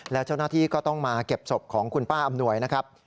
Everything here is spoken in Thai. แล้วเจ้าหน้าที่ก็ต้องมาเก็บศพของคุณป้าอำนวยนะครับ